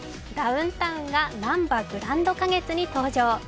ダウンタウンが、なんばグランド花月に登場。